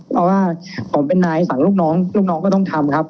เพราะว่าผมเป็นนายฝั่งลูกน้องลูกน้องก็ต้องทำครับ